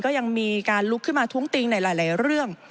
ก็ยังมีการลุกขึ้นมาท้วงติงในหลายเรื่อง